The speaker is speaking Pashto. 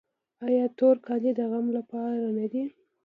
آیا تور کالي د غم لپاره نه دي؟